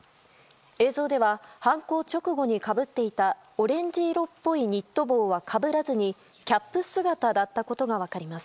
映像では犯行直後にかぶっていたオレンジ色っぽいニット帽はかぶらずにキャップ姿だったことが分かります。